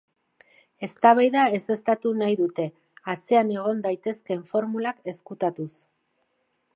Eztabaida ezeztatu nahi dute, atzean egon daitezkeen formulak ezkutatuz.